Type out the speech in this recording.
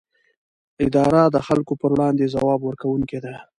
اداره د خلکو پر وړاندې ځواب ورکوونکې ده.